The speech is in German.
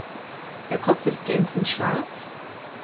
Der Kopf ist glänzend schwarz.